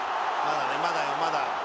まだよまだ。